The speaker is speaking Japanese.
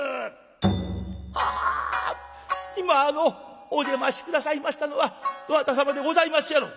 「はは今あのお出まし下さいましたのはどなた様でございますやろ」。